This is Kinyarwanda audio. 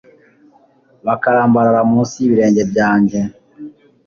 bakarambarara mu nsi y’ibirenge byanjye